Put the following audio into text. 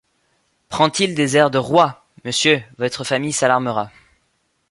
Prend-il des airs de roi !— Monsieur, votre famille S’alarmera.